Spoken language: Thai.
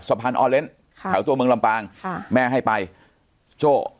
สะพานออเรนต์ข่าวจุดเมืองลำปางค่ะแม่ให้ไปโจ